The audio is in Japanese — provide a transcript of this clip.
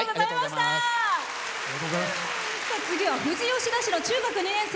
次は富士吉田市の中学２年生。